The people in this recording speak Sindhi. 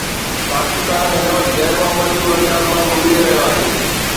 پاڪستان هن وقت غير معمولي صورتحال مان گذري رهيو آهي.